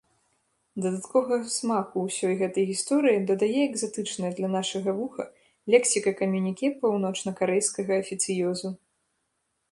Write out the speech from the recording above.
Дадатковага смаку ўсёй гэтай гісторыі дадае экзатычная для нашага вуха лексіка камюніке паўночнакарэйскага афіцыёзу.